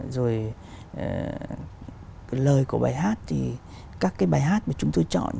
rồi lời của bài hát thì các cái bài hát mà chúng tôi chọn